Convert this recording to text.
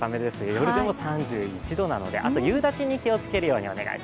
夜でも３１度なのであと夕立に気をつけるよう気をつけてください。